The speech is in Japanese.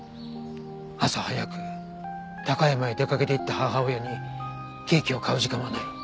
朝早く高山へ出かけていった母親にケーキを買う時間はない。